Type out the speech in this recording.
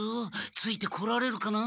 ついてこられるかな？